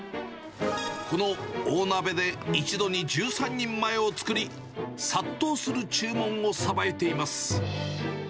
この大鍋で一度に１３人前を作り、殺到する注文をさばいています。